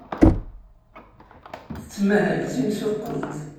Tettmahal d timsuqqelt.